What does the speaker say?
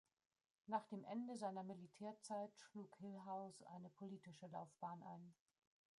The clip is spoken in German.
Nach dem Ende seiner Militärzeit schlug Hillhouse eine politische Laufbahn ein.